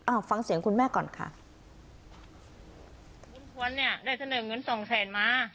เอาฟังเสียงคุณแม่ก่อนค่ะคุณพวนเนี่ยได้เสนอเงินสองแสนมา